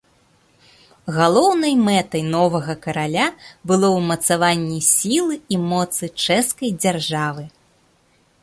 Галоўнай мэтай новага караля было ўмацаванне сілы і моцы чэшскай дзяржавы.